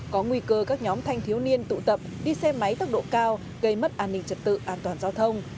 có nguy cơ các nhóm thanh thiếu niên tụ tập đi xe máy tốc độ cao gây mất an ninh trật tự an toàn giao thông